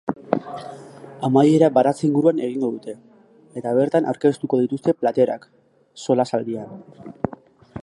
Amaiera baratze inguruan egingo dute, eta bertan aurkeztuko dituzte platerak, solasaldian.